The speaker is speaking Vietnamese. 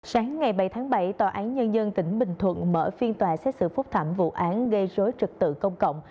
sáng ngày bảy tháng bảy tòa án nhân dân tỉnh bình thuận mở phiên tòa xét xử phúc thẩm vụ án gây rối trực tự công cộng